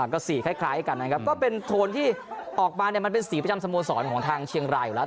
ก็สีคล้ายกันนะครับก็เป็นโทนที่ออกมาเนี่ยมันเป็นสีประจำสโมสรของทางเชียงรายอยู่แล้ว